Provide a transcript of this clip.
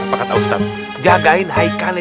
pakat ustaz jagain haikannya